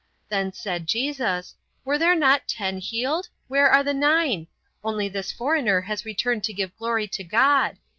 Then said Jesus, Were there not ten healed? Where are the nine? Only this foreigner has returned to give glory to God.